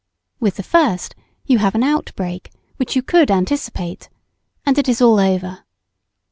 With the first you have an out break which you could anticipate, and it is all over.